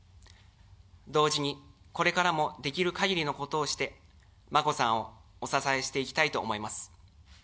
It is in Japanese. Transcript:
同時に、これからもできるかぎりのことをして、眞子さんをお支えしていきたいと思います。